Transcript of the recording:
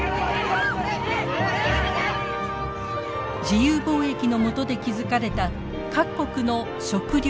自由貿易のもとで築かれた各国の食料安全保障。